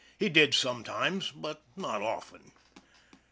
He did sometimes, but not often.